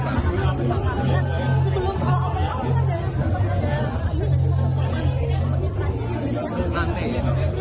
ya saling memakan lalu makan makan bersama